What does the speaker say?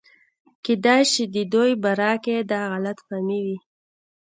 کېدے شي دَدوي باره کښې دا غلط فهمي وي